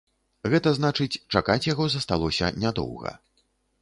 Гэта значыць, чакаць яго засталося нядоўга.